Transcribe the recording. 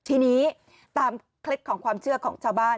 ทีนี้ตามเคล็ดของความเชื่อของชาวบ้าน